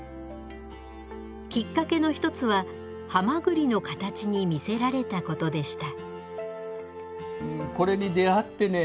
きっかけのひとつははまぐりの形に魅せられたことでした。